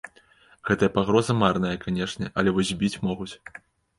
Гэтая пагроза марная, канешне, але вось збіць могуць.